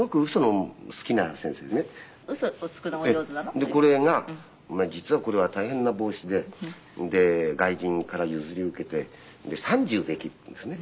でこれが「お前実はこれは大変な帽子で外国人から譲り受けて３０できる」って言うんですね。